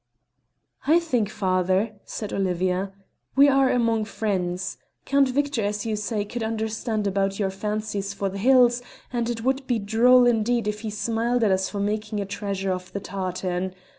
"I think, father," said Olivia, "we are among friends. Count Victor, as you say, could understand about our fancies for the hills, and it would be droll indeed if he smiled at us for making a treasure of the tartan.